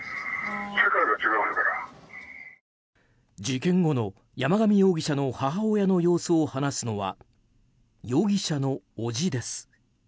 事件後の山上容疑者の母親の様子を話すのは容疑者の伯父です。